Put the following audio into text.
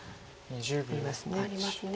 あります。